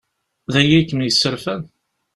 D aya i kem-yesserfan?